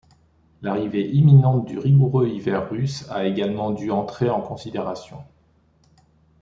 L'arrivée imminente du rigoureux hiver russe a également dû entrer en considération.